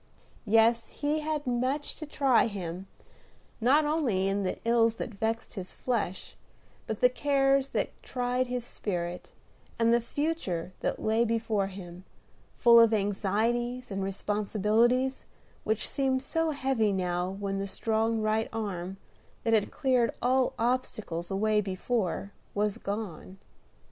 Yet he had much to try him, not only in the ills that vexed his flesh, but the cares that tried his spirit, and the future that lay before him, full of anxieties and responsibilities which seemed so heavy now when the strong right arm, that had cleared all obstacles away before, was gone.